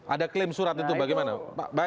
ada klaim surat itu bagaimana pak